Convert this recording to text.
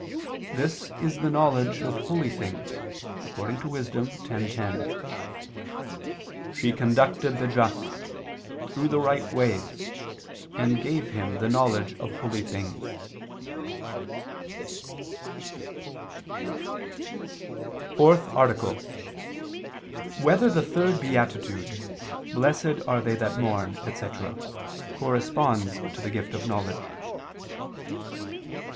This is the knowledge of holy things, according to Wis. 10:10: "She conducted the just ... through the right ways ... and gave him the knowledge of holy things." _______________________ FOURTH ARTICLE [II II, Q. 9, Art. 4] Whether the Third Beatitude, "Blessed Are They That Mourn," etc. Corresponds to the Gift of Knowledge?